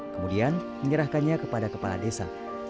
kemudian menyerahkannya kepada kepala desa